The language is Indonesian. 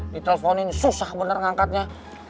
diteleponin susah bener ngangkatnya